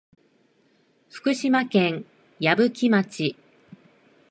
福島県矢吹町